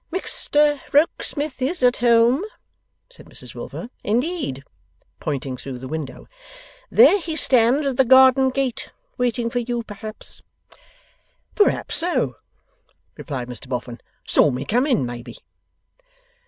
'Mr Rokesmith is at home,' said Mrs Wilfer; 'indeed,' pointing through the window, 'there he stands at the garden gate. Waiting for you, perhaps?' 'Perhaps so,' replied Mr Boffin. 'Saw me come in, maybe.